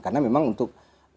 karena memang untuk